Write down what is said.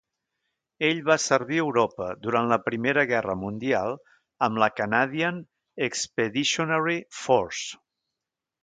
Ell va servir a Europa durant la Primera Guerra Mundial amb la Canadian Expeditionary Force.